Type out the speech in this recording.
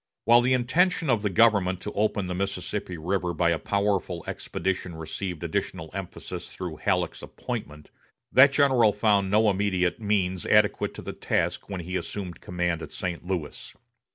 While the intention of the government to open the Mississippi River by a powerful expedition received additional emphasis through Halleck's appointment, that general found no immediate means adequate to the task when he assumed command at St. Louis.